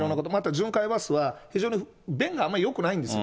巡回バスは、非常に便があまりよくないんですよ。